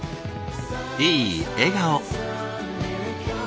いい笑顔。